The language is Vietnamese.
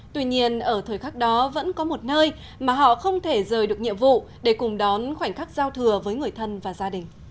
tuy nhiên ở thời khắc đó vẫn có một nơi mà họ không thể rời được nhiệm vụ để cùng đón khoảnh khắc giao thừa với người thân và gia đình